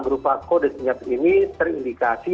berupa kode senyap ini terindikasi